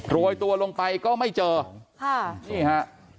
โรยตัวลงไปก็ไม่เจอค่ะนี่ฮะ